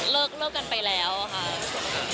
เลิกกันไปแล้วค่ะ